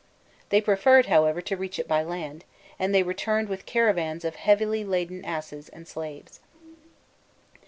They preferred, however, to reach it by land, and they returned with caravans of heavily laden asses and slaves.